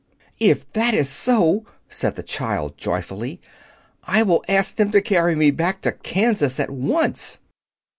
"If that is so," said the child joyfully, "I will ask them to carry me back to Kansas at once."